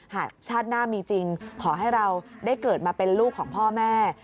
หากชาติหน้ามีจริงขอให้เราได้เกิดมาเป็นลูกของพ่อแม่